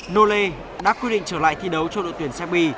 nole đã quyết định trở lại thi đấu cho đội tuyển seppi